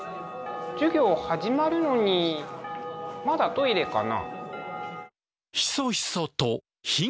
授業始まるのにまだトイレかな